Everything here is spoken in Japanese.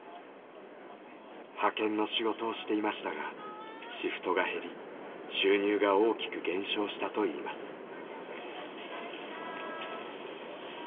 派遣の仕事をしていましたがシフトが減り収入が大きく減少したといいます。